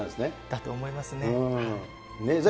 だと思いますね。